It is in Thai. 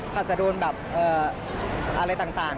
อาจจะโดนแบบอะไรต่าง